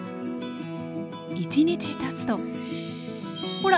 １日たつとほら！